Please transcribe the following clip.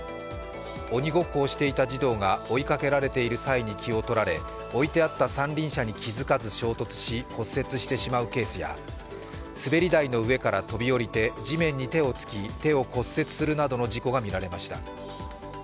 鬼ごっこをしていた児童が追いかけられている際に気を取られ置いてあった三輪車に気づかず衝突し、骨折してしまうケースや滑り台の上から飛び降りて地面に手をつき、手を骨折するなどの事故がみられました。